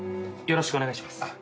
よろしくお願いします。